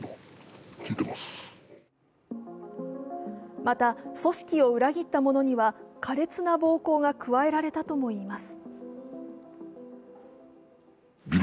また組織を裏切った者には苛烈な暴行が加えられたといいます。